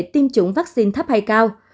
tiêm chủng vaccine thấp hay cao